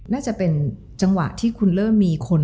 น่าจะเป็นจังหวะที่คุณเริ่มมีคน